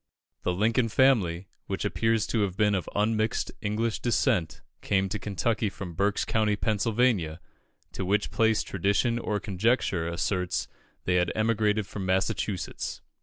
The Lincoln family, which appears to have been of unmixed English descent, came to Kentucky from Berks County, Pennsylvania, to which place tradition or conjecture asserts they had emigrated from Massachusetts.